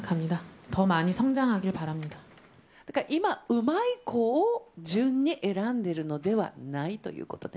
今、うまい子を順に選んでるのではないということね。